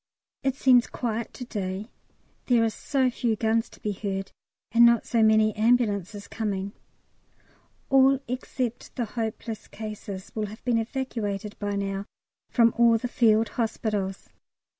It seems quiet to day; there are so few guns to be heard, and not so many ambulances coming. All except the hopeless cases will have been evacuated by now from all the Field Hospitals.